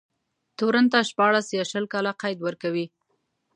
تورن ته شپاړس يا شل کاله قید ورکوي.